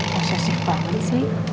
prosesif banget sih